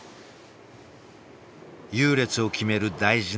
優劣を決める大事な局面